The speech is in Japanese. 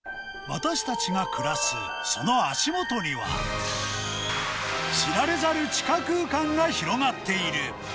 私たちが暮らすその足元には、知られざる地下空間が広がっている。